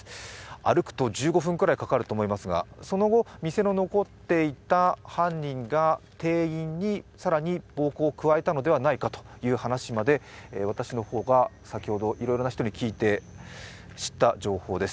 歩くと１５分くらいかかると思いますが、その後、店に残っていた犯人が店員に更に暴行を加えたのではないかという話まで、私の方が、先ほどいろいろな人に聞いて知った情報です。